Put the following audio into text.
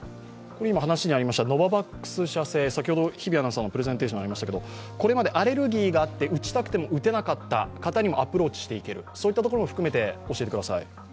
ノババックス社製、先ほどもプレゼンテーションにもありましたが、これまでアレルギーがあって、打ちたくても打てなかった方にもアプローチしていけるそういったところも含めて教えてください。